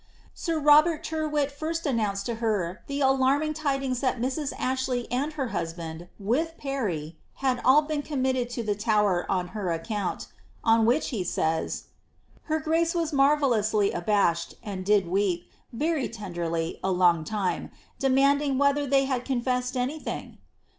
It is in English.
Sir Robert Tyrwhit first announced to her the alarming tidings that Mrs. Ashley and her husband, with Parry, had all been committed to the Tower on her account ; on which, he says, ^ her grace was marvel lously abashed, and did weep, very tenderly, a long time, demanding * whether they had confessed anything